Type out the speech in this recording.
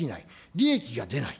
利益が出ない。